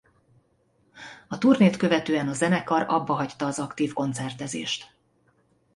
A turnét követően a zenekar abbahagyta az aktív koncertezést.